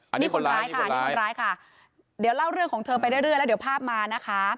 นี่คนร้ายค่ะนี่คนร้ายค่ะเดี๋ยวเล่าเรื่องของเธอไปเรื่อยแล้วเดี๋ยวภาพมานะคะ